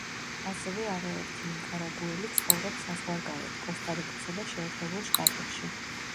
ასევე არაერთი ნიკარაგუელი ცხოვრობს საზღვარგარეთ, კოსტა-რიკასა და შეერთებულ შტატებში.